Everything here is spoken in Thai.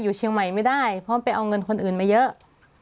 อยู่เชียงใหม่ไม่ได้เพราะไปเอาเงินคนอื่นมาเยอะ